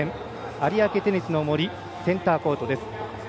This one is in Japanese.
有明テニスの森センターコートです。